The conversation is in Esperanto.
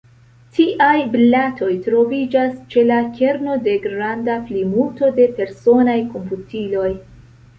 Tiaj blatoj troviĝas ĉe la kerno de granda plimulto de personaj komputiloj.